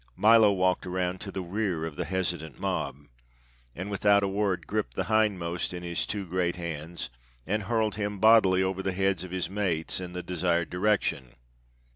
Milo walked around to the rear of the hesitant mob, and without a word gripped the hindmost in his two great hands and hurled him bodily over the heads of his mates in the desired direction.